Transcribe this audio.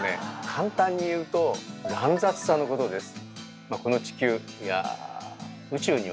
簡単に言うと「乱雑さ」のことです。